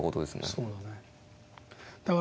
そうだね。